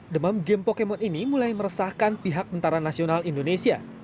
demam game pokemon ini mulai meresahkan pihak tentara nasional indonesia